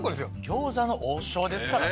「餃子の王将」ですからね。